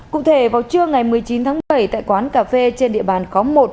cụ thể vào trưa ngày một mươi chín tháng bảy tại quán cà phê trên địa bàn khóm một